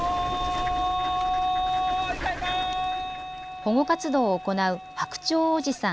保護活動を行う白鳥おじさん